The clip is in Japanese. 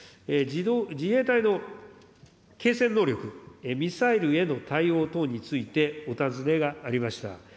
自衛隊の継戦能力、ミサイルへの対応等についてお尋ねがありました。